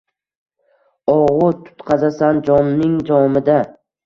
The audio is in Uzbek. Og’u tutqazasan jonning jomida